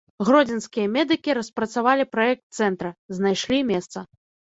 Гродзенскія медыкі распрацавалі праект цэнтра, знайшлі месца.